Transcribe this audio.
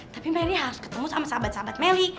tapi meli harus ketemu sama sahabat sahabat meli